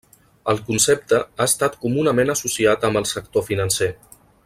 El concepte ha estat comunament associat amb el sector financer.